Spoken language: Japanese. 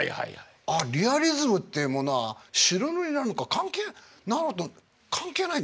あっリアリズムっていうものは白塗りなんか関係関係ない。